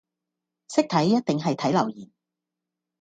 識睇一定係睇留言